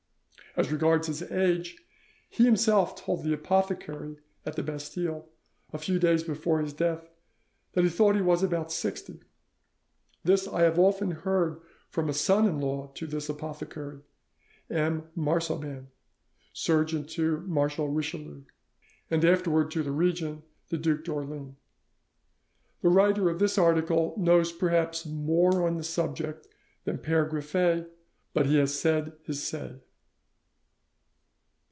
As regards his age, he himself told the apothecary at the Bastille, a few days before his death, that he thought he was about sixty; this I have often heard from a son in law to this apothecary, M. Marsoban, surgeon to Marshal Richelieu, and afterwards to the regent, the Duc d'Orleans. The writer of this article knows perhaps more on this subject than Pere Griffet. But he has said his say."